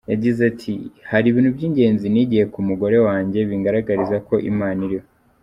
Yagize ati "Hari ibintu by’ingenzi nigiye ku mugore wanjye bingaragariza ko Imana iriho.